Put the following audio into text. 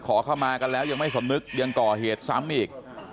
ขอเข้ามากันแล้วยังไม่สำนึกยังก่อเหตุซ้ำอีก